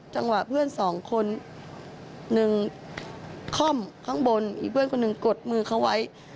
เพื่อนสองคนหนึ่งค่อมข้างบนอีกเพื่อนคนหนึ่งกดมือเขาไว้